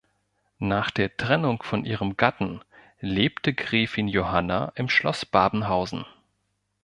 Nach der Trennung von ihrem Gatten lebte Gräfin Johanna im Schloss Babenhausen.